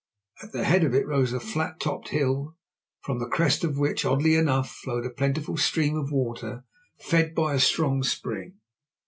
At the head of it rose a flat topped hill, from the crest of which, oddly enough, flowed a plentiful stream of water fed by a strong spring.